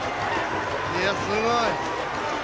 いや、すごい！